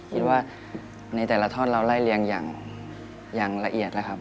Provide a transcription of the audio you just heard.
คิดว่าในแต่ละท่อนเราไล่เรียงอย่างละเอียดแล้วครับ